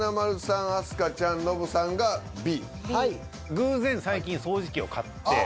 偶然最近掃除機を買って。